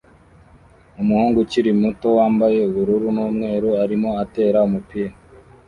Umuhungu ukiri muto wambaye ubururu n'umweru arimo atera umupira